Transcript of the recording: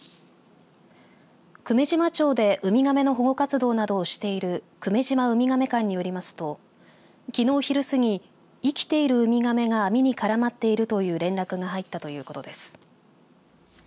久米島町でウミガメの保護活動などをしている久米島ウミガメ館によりますときのう昼過ぎ、生きているウミガメが網に絡まっているという連絡が入ったということです。